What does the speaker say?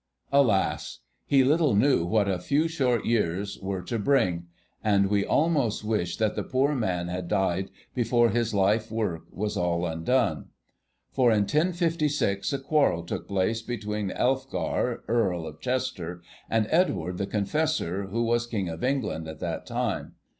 Alas! he little knew what a few short years were to bring; and we almost wish that the poor old man had died before his life work was all undone. For in 1056 a quarrel took place between Elfgar, Earl of Chester, and Edward the Confessor, who was King of England at that time.